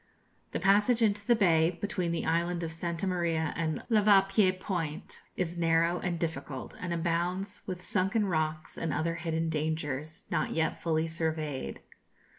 The passage into the bay, between the island of Santa Maria and Lavapié Point, is narrow and difficult, and abounds with sunken rocks and other hidden dangers, not yet fully surveyed.